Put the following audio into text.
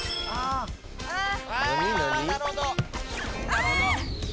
ああ。